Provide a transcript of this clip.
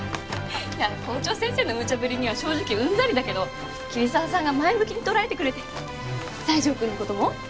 いや校長先生のむちゃぶりには正直うんざりだけど桐沢さんが前向きに捉えてくれて西条くんの事も。